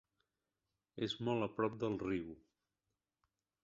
És molt a prop del riu.